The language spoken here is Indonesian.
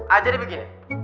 ah jadi begini